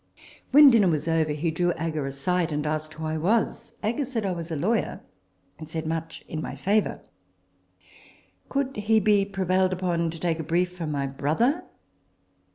When dinner was over, he drew Agar aside, and asked who I was. Agar said I was a lawyer, and said much in my favour. " Could he be prevailed upon to take a brief from my brother